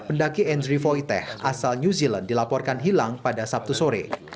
pertama kali ini pendaki andri voiteh asal new zealand dilaporkan hilang pada sabtu sore